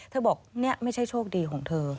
บอกนี่ไม่ใช่โชคดีของเธอ